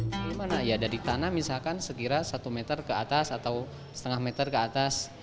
bagaimana ya dari tanah misalkan sekira satu meter ke atas atau setengah meter ke atas